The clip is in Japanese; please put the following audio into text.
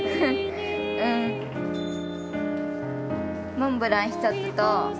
モンブラン１つと。